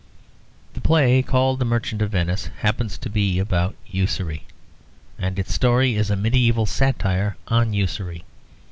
The play called The Merchant of Venice happens to be about usury, and its story is a medieval satire on usury.